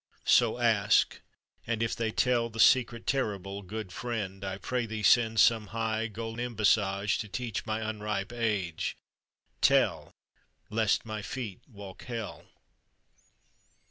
So ask; and if they tell The secret terrible, Good friend, I pray thee send Some high gold embassage To teach my unripe age. Tell! Lest my feet walk hell.